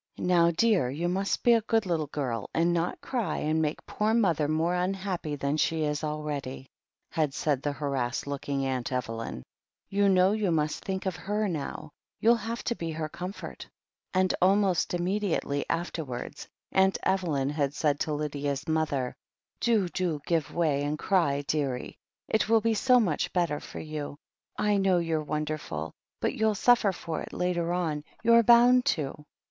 "Now, dear, you must be a good little girl and not cry and make poor mother more unhappy than she is already," had said harassed looking Aunt Eveljrn. "You know you must think of her now. You'll have to be her comfort." And almost immediately afterwards Aunt Evelyn had said to Lydia's mother : "Do, do give way and cry, dearie. It will be so much better for you. I know you're wonderful, but you'll suffer for it later on. You're bound to."